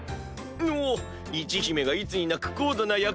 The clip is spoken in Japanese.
うおっ一姫がいつになく高度な役を。